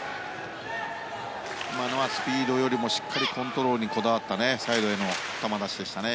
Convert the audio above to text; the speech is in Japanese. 今のはスピードよりもしっかりコントロールにこだわったサイドへの球出しでしたね。